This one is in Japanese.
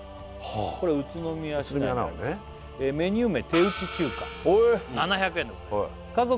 これ宇都宮市内メニュー名手打中華７００円でございます